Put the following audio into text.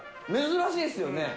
珍しいですよね。